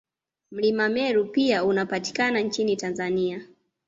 Mlima Meru pia unapatikana nchini Tanzania